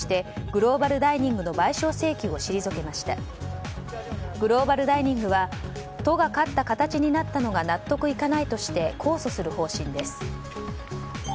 グローバルダイニングは都が勝った形になったのが納得いかないとして控訴する方針です。